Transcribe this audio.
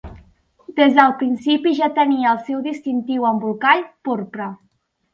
Des del principi ja tenia el seu distintiu embolcall porpra.